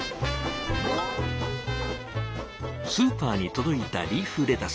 スーパーに届いたリーフレタス。